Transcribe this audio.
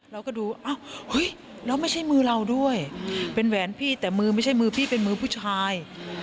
เราก็ดูอ้าวเฮ้ยแล้วไม่ใช่มือเราด้วยเป็นแหวนพี่แต่มือไม่ใช่มือพี่เป็นมือผู้ชาย